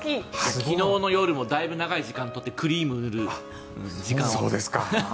昨日の夜もだいぶ長い時間を取ってクリームを塗る時間を。